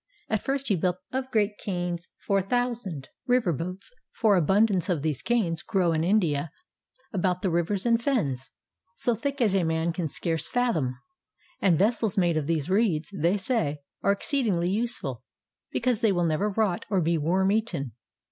And first he built of great canes four thousand 497 MESOPOTAMIA river boats ; for abundance of these canes grow in India about the rivers and fens, so thick as a man can scarce fathom; and vessels made of these reeds, they say, are exceedingly useful, because they will never rot or be worm eaten.